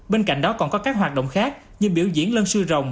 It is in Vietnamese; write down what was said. bên cạnh đó còn có các hoạt động khác như biểu diễn lân sư rồng